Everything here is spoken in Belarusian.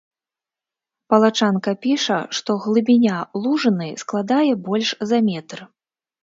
Палачанка піша, што глыбіня лужыны складае больш за метр.